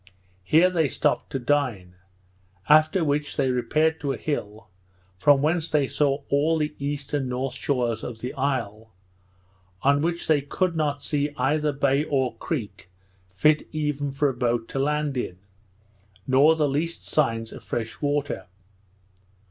Here they stopped to dine; after which they repaired to a hill, from whence they saw all the east and north shores of the isle, on which they could not see either bay or creek fit even for a boat to land in; nor the least signs of fresh water.